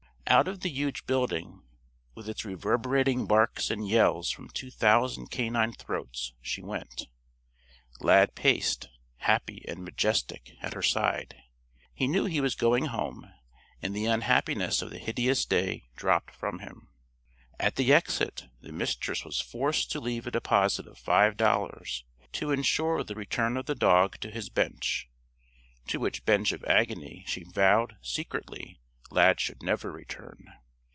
Out of the huge building, with its reverberating barks and yells from two thousand canine throats, she went. Lad paced, happy and majestic, at her side. He knew he was going home, and the unhappiness of the hideous day dropped from him. At the exit, the Mistress was forced to leave a deposit of five dollars, "to insure the return of the dog to his bench" (to which bench of agony she vowed, secretly, Lad should never return).